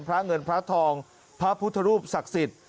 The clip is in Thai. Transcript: พระเงินพระทองพระพุทธรูปศักดิ์สิทธิ์